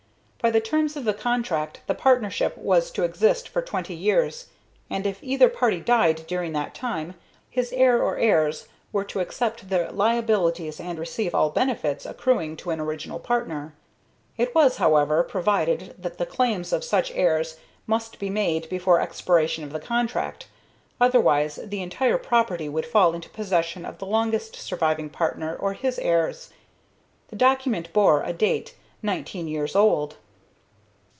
By the terms of the contract the partnership was to exist for twenty years, and, if either party died during that time, his heir or heirs were to accept the liabilities and receive all benefits accruing to an original partner. It was, however, provided that the claims of such heirs must be made before expiration of the contract, otherwise the entire property would fall into possession of the longest surviving partner or his heirs. The document bore a date nineteen years old.